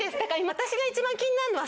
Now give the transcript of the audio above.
私が一番気になるのは。